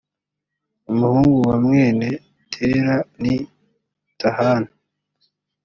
umuhungu wa mwene tela ni tahani